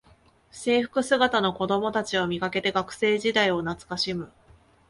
制服姿の子どもたちを見かけて学生時代を懐かしむ